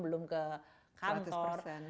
belum ke kantor